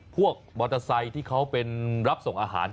พวกมอเตอร์ไซค์ที่เขาเป็นรับส่งอาหาร